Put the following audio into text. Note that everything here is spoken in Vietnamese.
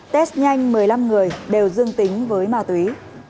test nhanh một mươi năm người đều dương tính với ma túy